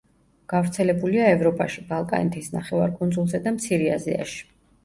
გავრცელებულია ევროპაში, ბალკანეთის ნახევარკუნძულზე და მცირე აზიაში.